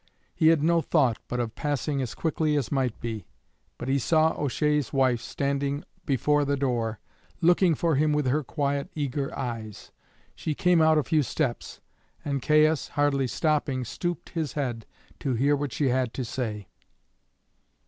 He had no thought but of passing as quickly as might be, but he saw O'Shea's wife standing before the door, looking for him with her quiet, eager eyes. She came out a few steps, and Caius, hardly stopping, stooped his head to hear what she had to say.